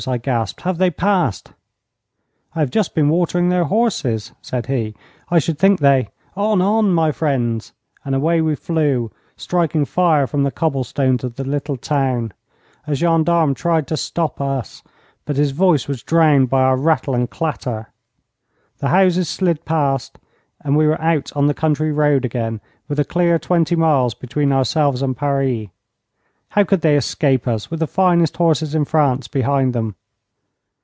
I gasped. 'Have they passed?' 'I have just been watering their horses,' said he. 'I should think they ' 'On, on, my friends!' and away we flew, striking fire from the cobblestones of the little town. A gendarme tried to stop up, but his voice was drowned by our rattle and clatter. The houses slid past, and we were out on the country road again, with a clear twenty miles between ourselves and Paris. How could they escape us, with the finest horses in France behind them?